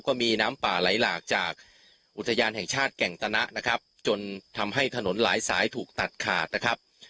ก็มีน้ำป่าไหลหลากจากอุทยานแห่งชาติแก่งตนะนะครับจนทำให้ถนนหลายสายถูกตัดขาดนะครับ